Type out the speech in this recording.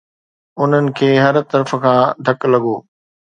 انهن کي هر طرف کان ڌڪ لڳو.